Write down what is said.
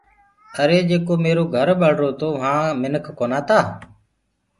آري جيڪو ميرو گھر ٻݪرو تو وهآ منک ڪونآ تآ